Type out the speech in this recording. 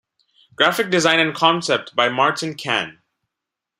Graphic design and concept by Martin Kann.